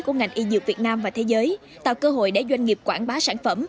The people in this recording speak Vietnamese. của ngành y dược việt nam và thế giới tạo cơ hội để doanh nghiệp quảng bá sản phẩm